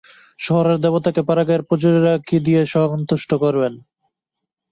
শহরের দেবতাকে পাড়াগাঁয়ের পূজারি কী দিয়ে সন্তুষ্ট করবে।